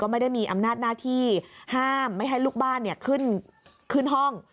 ไม่ได้มีอำนาจหน้าที่ห้ามไม่ให้ลูกบ้านขึ้นห้อง